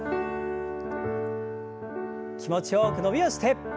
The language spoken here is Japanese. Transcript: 気持ちよく伸びをして。